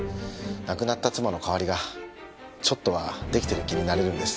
亡くなった妻の代わりがちょっとはできてる気になれるんです。